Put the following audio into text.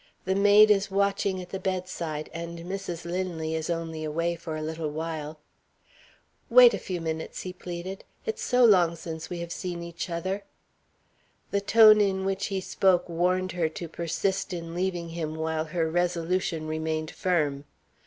The maid is watching at the bedside, and Mrs. Linley is only away for a little while." "Wait a few minutes," he pleaded; "it's so long since we have seen each other." The tone in which he spoke warned her to persist in leaving him while her resolution remained firm.